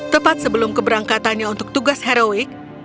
tepat sebelum keberangkatannya untuk tugas heroik